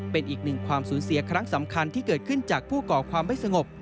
เป็นอีกหนึ่งความสูญเสียครั้งสำคัญที่เกิดขึ้นจากผู้ก่อความไม่สงบ